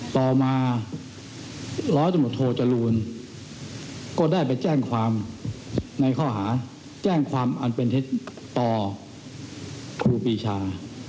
ต่อมาร้อยตำรวจโทจรูลก็ได้ไปแจ้งความในข้อหาแจ้งความอันเป็นเท็จต่อครูปีชา